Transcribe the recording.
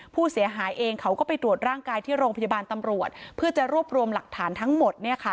ผู้เสียหายเองเขาก็ไปตรวจร่างกายที่โรงพยาบาลตำรวจเพื่อจะรวบรวมหลักฐานทั้งหมด